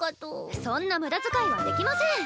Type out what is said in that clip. そんな無駄遣いはできません！